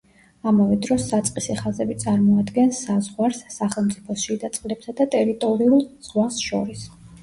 ამავე დროს საწყისი ხაზები წარმოადგენს საზღვარს სახელმწიფოს შიდა წყლებსა და ტერიტორიულ ზღვას შორის.